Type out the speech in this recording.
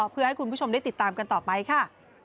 เพื่อให้คุณผู้ชมได้ติดตามกันต่อไปค่ะ